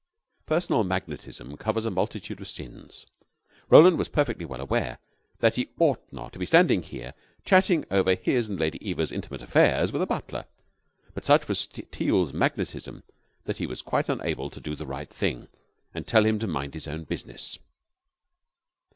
Personal magnetism covers a multitude of sins. Roland was perfectly well aware that he ought not to be standing here chatting over his and Lady Eva's intimate affairs with a butler; but such was Teal's magnetism that he was quite unable to do the right thing and tell him to mind his own business.